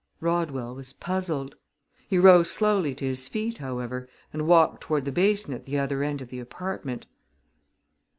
Rodwell was puzzled. He rose slowly to his feet, however, and walked toward the basin at the other end of the apartment.